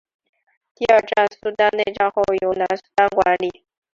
第二次苏丹内战后由南苏丹管理。